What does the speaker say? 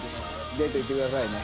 デート行ってくださいね。